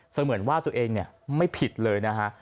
เหมือนว่าตัวเองไม่ผิดเลยนะฮะ